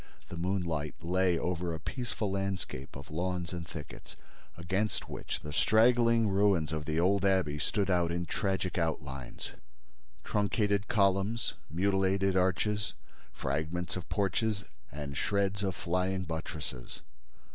The moonlight lay over a peaceful landscape of lawns and thickets, against which the straggling ruins of the old abbey stood out in tragic outlines, truncated columns, mutilated arches, fragments of porches and shreds of flying buttresses.